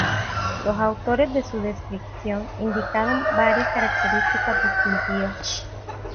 Los autores de su descripción indicaron varias características distintivas.